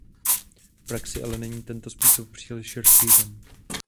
V praxi ale není tento způsob příliš rozšířen.